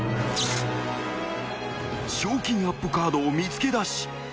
［賞金アップカードを見つけだし